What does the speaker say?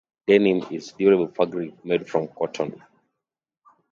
Denim is a durable fabric made from cotton.